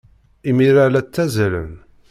Imir-a, la ttazzalen.